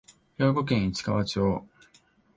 兵庫県市川町